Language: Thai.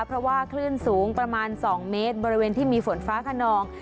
เพราะว่าคลื่นสูงประมาณ๒เมตรบริเวณที่มีฝนฟ้าขนอง